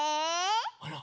あら？